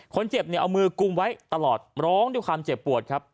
คนเจ็บเนี่ยเอามือกุมไว้ตลอดร้องด้วยความเจ็บปวดครับ